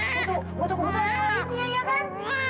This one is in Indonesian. butuh kebutuhan uang lagi